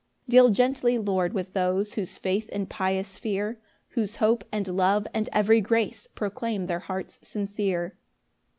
4 Deal gently, Lord, with those Whose faith and pious fear, Whose hope, and love, and every grace Proclaim their hearts sincere.